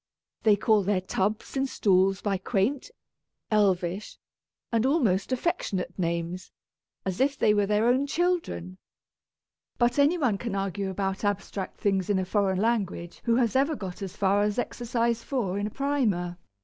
They call their tubs and stools by quaint, elvish, and almost affectionate names, as if they were their own children 1 But any one can argue about abstract things in a foreign language who has ever got as far Exercise IV. in a primer.